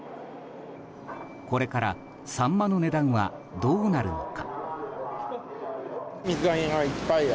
これからサンマの値段はどうなるのか。